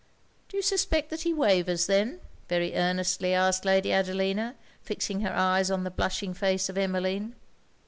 'Do you suspect that he wavers then?' very earnestly asked Lady Adelina, fixing her eyes on the blushing face of Emmeline.